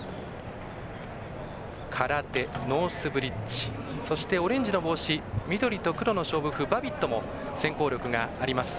カラテ、ノースブリッジそして、オレンジの帽子緑と黒の勝負服、バビットも先行力があります。